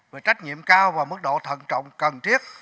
về trách nhiệm cao và mức độ thận trọng cần thiết